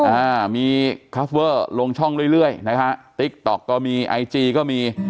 อ่ามีคัฟเวอร์ลงช่องเรื่อยเรื่อยนะฮะติ๊กต๊อกก็มีไอจีก็มี